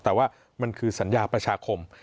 แต่ว่ามันคือสัญญาประชาคม